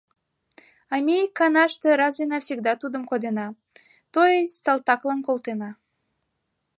А ме иканаште раз и навсегда тудым кодена, то есть салтаклан колтена.